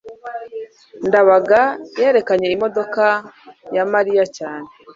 ndabaga yerekanye imodoka ya mariya cyane